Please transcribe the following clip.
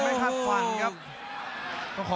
กรรมการเตือนทั้งคู่ครับ๖๖กิโลกรัม